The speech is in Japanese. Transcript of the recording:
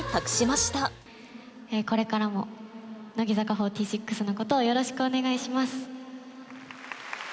これからも乃木坂４６のことをよろしくお願いします。